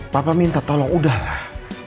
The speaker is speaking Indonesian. papa minta tolong udahlah